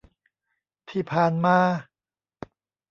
ที่ผ่านมา